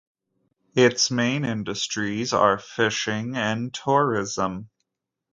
Its main industries are fishing and tourism.